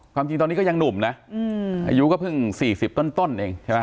จริงตอนนี้ก็ยังหนุ่มนะอายุก็เพิ่ง๔๐ต้นเองใช่ไหม